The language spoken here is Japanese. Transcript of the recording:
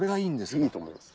いいと思います。